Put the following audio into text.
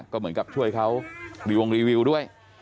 ก็เหมือนกับช่วยเขารีวงรีวิวด้วย